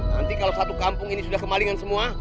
nanti kalau satu kampung ini sudah kemalingan semua